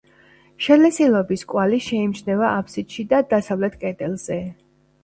შელესილობის კვალი შეიმჩნევა აფსიდში და დასავლეთ კედელზე.